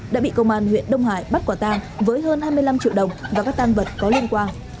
đã bị công an huyện đông hải bắt quả tang với hơn hai mươi năm triệu đồng và các tan vật có liên quan